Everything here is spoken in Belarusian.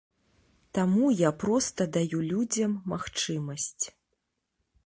Таму я проста даю людзям магчымасць.